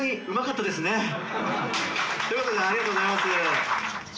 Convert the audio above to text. ということでありがとうございます。